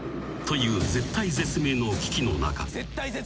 ［という絶体絶命の危機の中